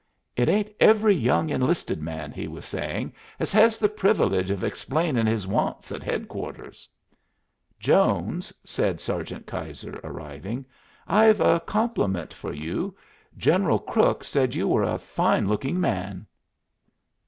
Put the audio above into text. "It ain't every young enlisted man," he was saying, "ez hez th' privilege of explainin' his wants at headquarters." "Jones," said Sergeant Keyser, arriving, "I've a compliment for you. General Crook said you were a fine looking man."